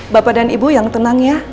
bapak dan ibu yang tenang ya